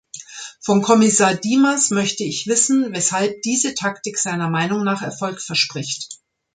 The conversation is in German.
Von Kommissar Dimas möchte ich wissen, weshalb diese Taktik seiner Meinung nach Erfolg verspricht.